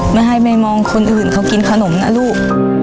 ไม่ให้แม่มองคนอื่นเขากินขนมนะลูก